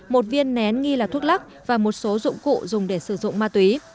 một viên nén nghi là thuốc lắc và một số dụng cụ dùng để sử dụng ma túy